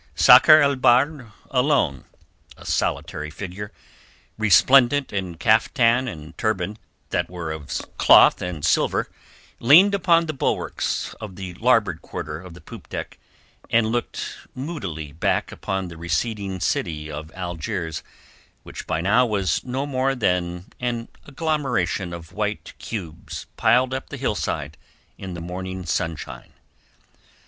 Sakr el Bahr alone, a solitary figure, resplendent in caftan and turban that were of cloth of silver, leaned upon the bulwarks of the larboard quarter of the poop deck, and looked moodily back upon the receding city of Algiers which by now was no more than an agglomeration of white cubes piled up the hillside in the morning sunshine.